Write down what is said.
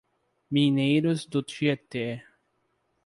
Mineiros do Tietê